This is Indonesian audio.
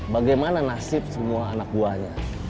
bagaimana nasib semua anak buahnya